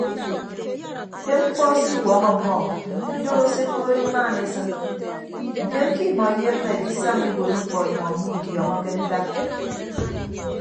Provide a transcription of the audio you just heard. Ke mkpọ se iwuọñọ ọmmọ idooho se ekood imaan esịn ndion ke imọ iyemme edisaña iwuod mkpọ imọ mmidiọọñọke ntak.